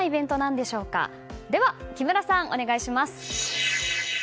では木村さん、お願いします。